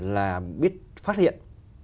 là biết phát hiện